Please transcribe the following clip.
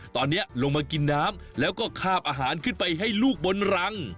ตอนนี้ลงมากินน้ำแล้วก็คาบอาหารขึ้นไปให้ลูกบนรัง